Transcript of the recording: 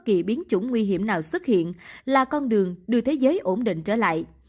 khi có bất kỳ biến chủng nguy hiểm nào xuất hiện là con đường đưa thế giới ổn định trở lại